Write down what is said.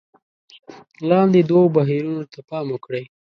لاندې دوو بهیرونو ته پام وکړئ: